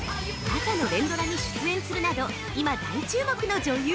◆朝の連ドラに出演するなど今、大注目の女優！